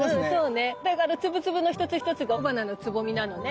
あの粒々の一つ一つが雄花のつぼみなのね。